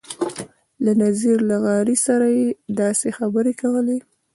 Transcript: له نذیر لغاري سره یې داسې خبرې کولې.